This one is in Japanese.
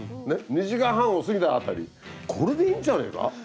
２時間半を過ぎたあたりこれでいいんじゃねぇか？